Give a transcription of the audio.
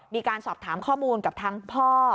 มีการสอบถามข้อมูลกับทางพ่อ